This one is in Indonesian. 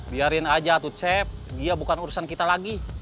biarin aja tuh cep dia bukan urusan kita lagi